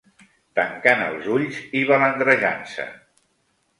Tancant els ulls i balandrejant-se.